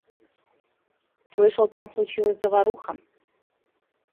Слышал, там случилась заваруха.